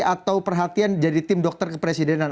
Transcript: atau perhatian jadi tim dokter kepresidenan